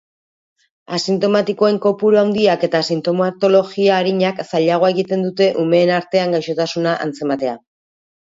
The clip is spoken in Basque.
Asintomatikoen kopuru handiak eta sintomatologia arinak zailagoa egiten dute umeen artean gaixotasuna atzematea.